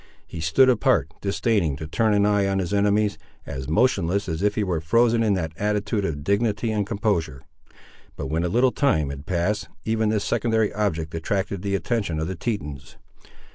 He stood apart, disdaining to turn an eye on his enemies, as motionless as if he were frozen in that attitude of dignity and composure. But when a little time had passed, even this secondary object attracted the attention of the Tetons.